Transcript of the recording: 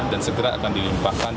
dan segera akan dilimpahkan